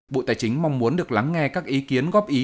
bộ tài chính mong muốn được lắng nghe các ý kiến góp ý